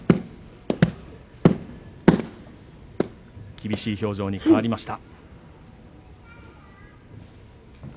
厳しい表情に変わりました。